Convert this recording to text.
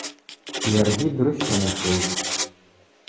Йаргьи дрыщтанашылтӏ.